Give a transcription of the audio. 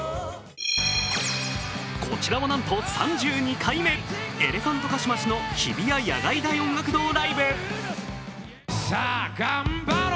こちらはなんと３２回目、エレファントカシマシの日比谷野外大音楽堂ライブ。